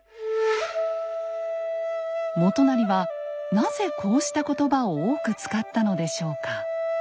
元就はなぜこうした言葉を多く使ったのでしょうか？